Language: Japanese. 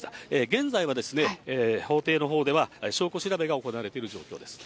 現在は法廷のほうでは証拠調べが行われている状況です。